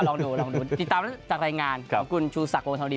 ลองดูลองดูติดตามจากรายงานของคุณชูศักดิวงทองดี